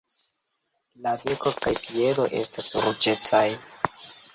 La beko kaj piedoj estas ruĝecaj.